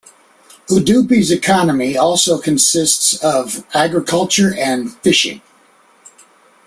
Udupi's economy also consists of agriculture and fishing.